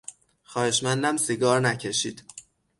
خواهشمندم سیگار نکشید!